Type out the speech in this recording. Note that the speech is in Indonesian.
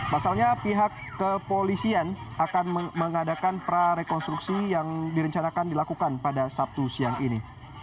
pasalnya pihak kepolisian akan mengadakan prarekonstruksi yang direncanakan dilakukan pada sabtu siang ini